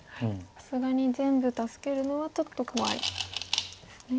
さすがに全部助けるのはちょっと怖いんですね。